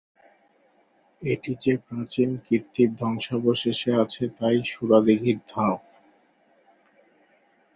এটি যে প্রাচীন কীর্তির ধ্বংসাবশেষ আছে তাই সুরা দীঘির ধাপ।